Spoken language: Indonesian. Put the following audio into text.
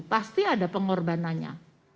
pasti ada pengorbanannya